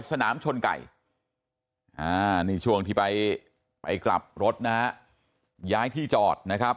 สนามชนไก่นี่ช่วงที่ไปไปกลับรถนะฮะย้ายที่จอดนะครับ